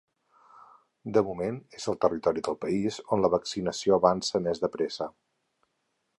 De moment, és el territori del país on la vaccinació avança més de pressa.